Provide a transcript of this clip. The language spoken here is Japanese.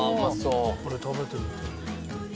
これ食べてみたい。